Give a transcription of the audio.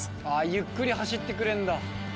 ゆっくり走ってくれるんだ。